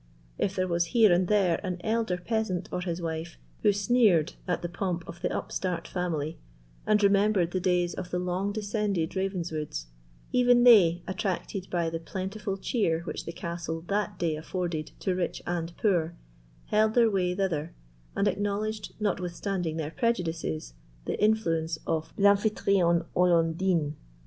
If there was here and there an elder peasant or his wife who sneered at the pomp of the upstart family, and remembered the days of the long descended Ravenswoods, even they, attracted by the plentiful cheer which the castle that day afforded to rich and poor, held their way thither, and acknowledged, notwithstanding their prejudices, the influence of l'Amphitrion où l'on dîne.